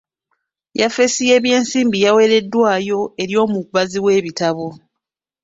Yafesi y'eby'ensimbi yaweereddwayo eri omubazi w'ebitabo.